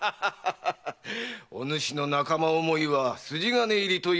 おぬしの仲間思いは筋金入りというわけか。